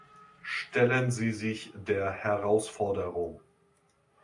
Stellen Sie sich der Herausforderung.